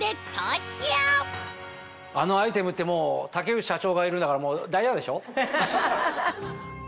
「あのアイテム」ってもう竹内社長がいるんだからもうダイヤでしょ？